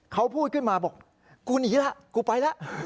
เขาพูดขึ้นมาบอกกูหนีละกูไปละ